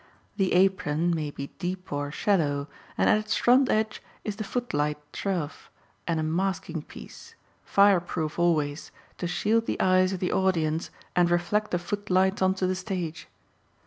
The apron may be deep or shallow, and at its front edge is the footlight trough and a masking piece, fireproof always, to shield the eyes of the audience and reflect the footlights onto the stage.